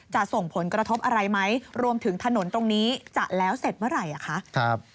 จะส่งผลกระทบอะไรไหมรวมถึงถนนตรงนี้จะแล้วเสร็จเมื่อไหร่อ่ะคะ